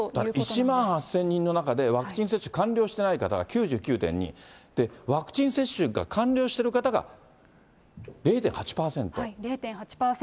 １万８０００人の中で、ワクチン接種完了していない方が９９．２、ワクチン接種が完了している方が０．８％。